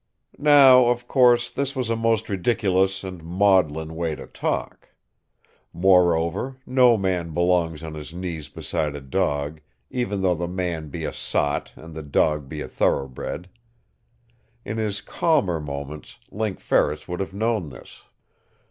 Now, of course, this was a most ridiculous and maudlin way to talk. Moreover, no man belongs on his knees beside a dog, even though the man be a sot and the dog a thoroughbred. In his calmer moments Link Ferris would have known this.